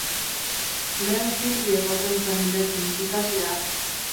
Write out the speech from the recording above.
Lehen Filby egoten zen nirekin, ikaslea.